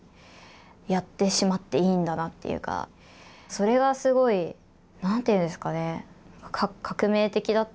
それがすごい何て言うんですかね